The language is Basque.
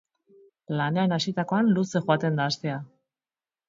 Lanean hasitakoan luze joaten da astea.